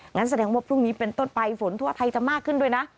งั้นแสดงว่าพรุ่งนี้เป็นต้นไปฝนทั่วไทยจะมากขึ้นด้วยนะ